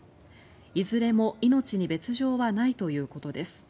いずれも命に別条はないということです。